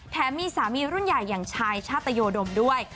มีสามีรุ่นใหญ่อย่างชายชาตยดมด้วย